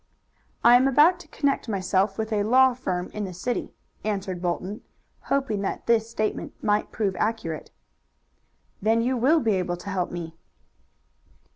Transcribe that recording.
"I am about to connect myself with a law firm in the city," answered Bolton, hoping that this statement might prove accurate. "Then you will be able to help me."